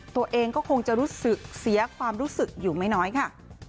ตัวเองก็คงจะรู้สึกเสียความรู้สึกอยู่ไม่น้อยค่ะ